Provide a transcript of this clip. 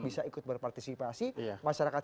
bisa ikut berpartisipasi masyarakat